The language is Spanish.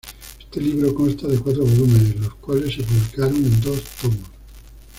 Este libro consta de cuatro volúmenes los cuales se publicaron en dos tomos.